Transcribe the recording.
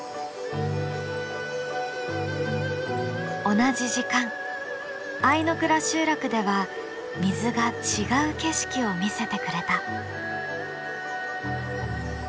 同じ時間相倉集落では水が違う景色を見せてくれた。